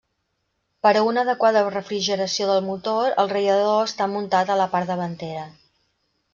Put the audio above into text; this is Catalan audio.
Per a una adequada refrigeració del motor, el radiador està muntat a la part davantera.